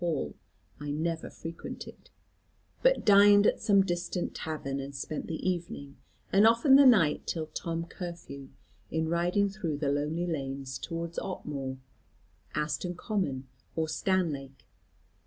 Hall I never frequented, but dined at some distant tavern, and spent the evening, and often the night till Tom curfew, in riding through the lonely lanes towards Otmoor, Aston Common, or Stanlake.